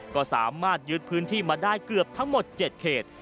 ก็สามารถยึดพื้นที่มาได้เกือบทั้งหมด๗เขต